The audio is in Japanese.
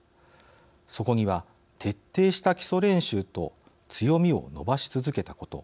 そこには徹底した基礎練習と強みを伸ばし続けたこと。